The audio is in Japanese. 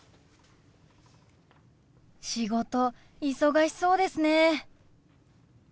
仕事忙しそうですね。